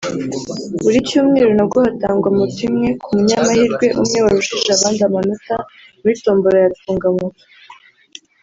Buri cyumweru nabwo hagatangwa moto imwe ku munyamahirwe umwe warushije abandi amanota muri Tombora ya Tunga Moto